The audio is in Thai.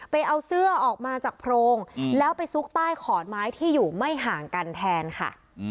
ไปเอาเสื้อออกมาจากโพรงแล้วไปซุกใต้ขอนไม้ที่อยู่ไม่ห่างกันแทนค่ะ